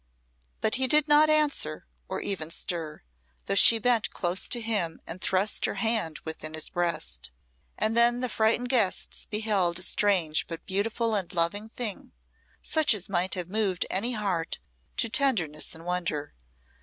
But he did not answer, or even stir, though she bent close to him and thrust her hand within his breast. And then the frightened guests beheld a strange but beautiful and loving thing, such as might have moved any heart to tenderness and wonder.